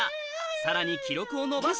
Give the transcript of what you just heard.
さらに記録を伸ばし